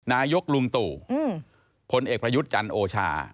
นายกลุงตู่พลเอกประยุทธ์จันทร์โอชา